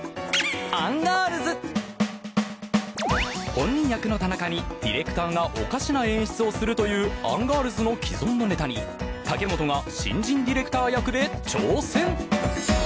本人役の田中にディレクターがおかしな演出をするというアンガールズの既存のネタに武元が新人ディレクター役で挑戦！